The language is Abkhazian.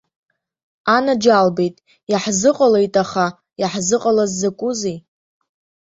Анаџьалбеит, иаҳзыҟалеит аха, иаҳзыҟалаз закәызеи.